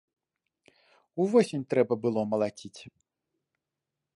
Увосень трэба было малаціць.